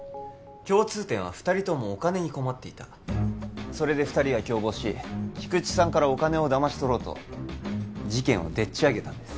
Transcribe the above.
共通点は二人ともお金に困っていたそれで二人が共謀し菊池さんからお金をだまし取ろうと事件をでっちあげたんです